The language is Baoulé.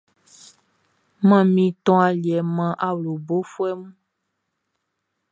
Manmin ton aliɛ man awlobofuɛ mun.